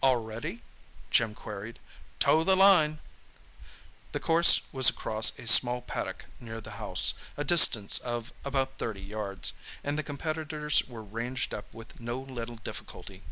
"All ready?" Jim queried. "Toe the line!" The course was across a small paddock near the house—a distance of about thirty yards—and the competitors were ranged up with no little difficulty.